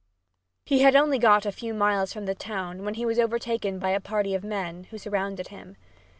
He had got only a few miles from the town when he was overtaken by a party of men, who surrounded him.